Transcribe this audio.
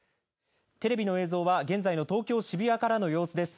テレビの映像は現在の東京・渋谷からの様子です。